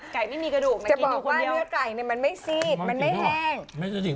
ไม่มีกระดูกนะจะบอกว่าเนื้อไก่เนี่ยมันไม่ซีดมันไม่แห้ง